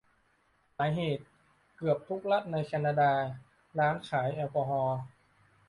หมายเหตุ : เกือบทุกรัฐในแคนาดา ร้านขายแอลกอฮอล์